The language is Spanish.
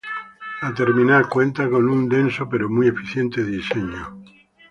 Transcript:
La terminal cuenta con un denso, pero muy eficiente diseño.